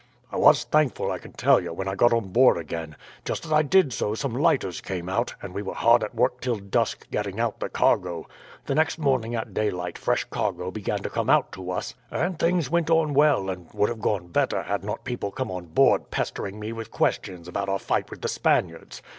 "I was thankful, I can tell you, when I got on board again. Just as I did so some lighters came out, and we were hard at work till dusk getting out the cargo. The next morning at daylight fresh cargo began to come out to us, and things went on well, and would have gone better had not people come on board pestering me with questions about our fight with the Spaniards.